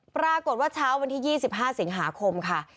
ปรากฏว่าเช้าวันที่๒๕สิงหาคมค่ะ